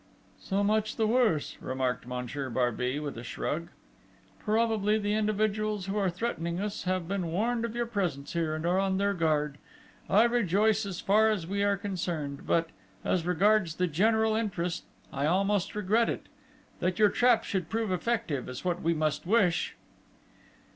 "So much the worse," remarked Monsieur Barbey, with a shrug.... "Probably the individuals who are threatening us, have been warned of your presence here, and are on their guard. I rejoice as far as we are concerned; but, as regards the general interest, I almost regret it: that your trap should prove effective, is what we must wish."